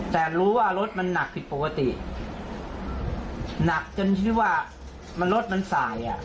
แต่รู้ว่ารถมันหนักผิดปกติหนักจนที่ว่ามันรถมันสายอ่ะ